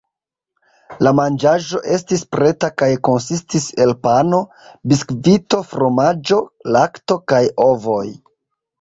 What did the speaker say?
La manĝaĵo estis preta kaj konsistis el pano, biskvito, fromaĝo, lakto kaj ovoj.